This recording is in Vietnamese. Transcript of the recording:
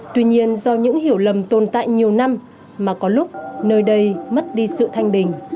tuy nhiên do những hiểu lầm tồn tại nhiều năm mà có lúc nơi đây mất đi sự thanh bình